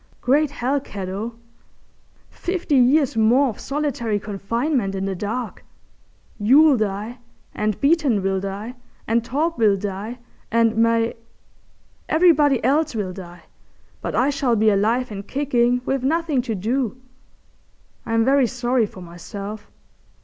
Great hell, cat O! fifty years more of solitary confinement in the dark! You'll die, and Beeton will die, and Torp will die, and Mai—everybody else will die, but I shall be alive and kicking with nothing to do. I'm very sorry for myself.